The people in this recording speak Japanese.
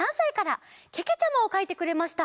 けけちゃまをかいてくれました。